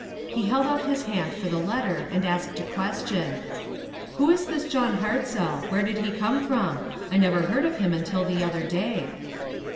He held out his hand for the let ter and asked a question :" Who is this John Hartzell ? Where did he come from ? I never heard of him until the other day."